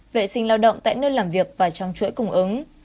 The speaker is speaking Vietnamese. vệ sinh lao động tại nơi làm việc và trong chuỗi cung ứng